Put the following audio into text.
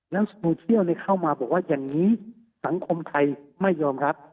แล้วโซเชียลเข้ามาบอกว่าอย่างนี้สังคมไทยไม่ยอมรับ